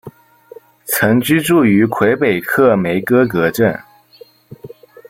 曾居住于魁北克梅戈格镇。